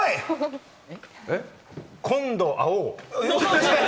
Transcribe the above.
「今度、会おう」。